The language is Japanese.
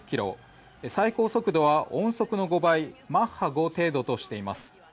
最高速度は音速の５倍マッハ５程度としています。